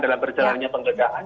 dalam perjalanannya penggegahan